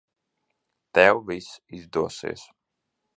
Tev viss izdosies.